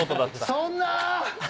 そんなー！